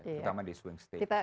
terutama di swing state